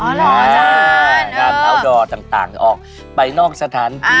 อ๋อเหรอจริงงานอัลดอร์ต่างออกไปนอกสถานที่